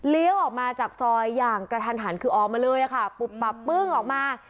ออกมาจากซอยอย่างกระทันหันคือออกมาเลยค่ะปุบปับปึ้งออกมา